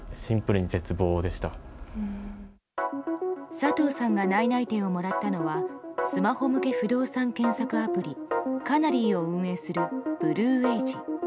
佐藤さんが内々定をもらったのはスマホ向け不動産検索アプリカナリーを運営するＢｌｕＡｇｅ。